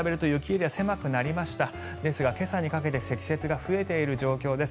ですが、今朝にかけて積雪が増えている状況です。